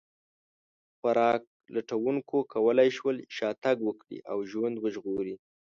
خوراک لټونکو کولی شول شا تګ وکړي او ژوند وژغوري.